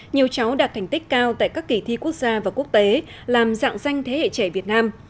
nhiều cháu đạt thành tích cao tại các kỳ thi quốc gia và quốc tế làm dạng danh thế hệ trẻ việt nam